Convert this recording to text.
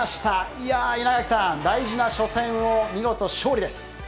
いやー、稲垣さん、大事な初戦を見事勝利です。